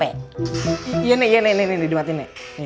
iya nek iya nek nih dimatikan nek